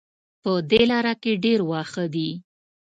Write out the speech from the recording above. په دې لاره کې ډېر واښه دي